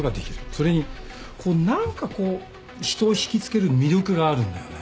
それにこう何かこう人を引き付ける魅力があるんだよね。